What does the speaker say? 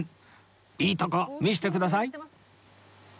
いいとこ見せてください！